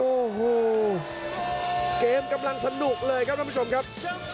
โอ้โหเกมกำลังสนุกเลยครับท่านผู้ชมครับ